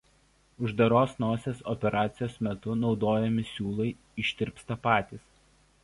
Uždaros nosies operacijos metu naudojami siūlai ištirpsta patys.